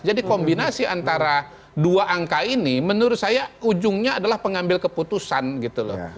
jadi kombinasi antara dua angka ini menurut saya ujungnya adalah pengambil keputusan gitu loh